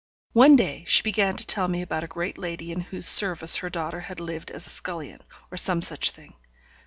One day she began to tell me about a great lady in whose service her daughter had lived as scullion, or some such thing.